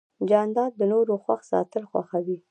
جانداد د نورو خوښ ساتل خوښوي.